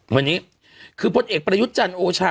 วันนี้คือพลเอกประยุทธ์จันทร์โอชา